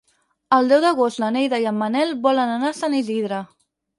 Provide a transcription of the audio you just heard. El deu d'agost na Neida i en Manel volen anar a Sant Isidre.